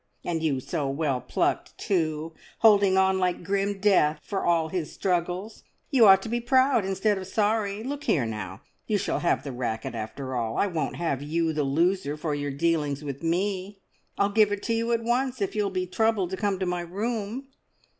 And you so well plucked, too, holding on like grim death, for all his struggles. You ought to be proud instead of sorry. Look here, now, you shall have the racket after all! I won't have you the loser for your dealings with me. I'll give it to you at once, if you'll be troubled to come to my room!"